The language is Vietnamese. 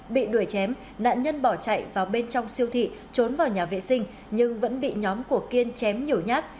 bị đuổi chém nạn nhân bỏ chạy vào bên trong siêu thị trốn vào nhà vệ sinh nhưng vẫn bị nhóm của kiên chém nhiều nhát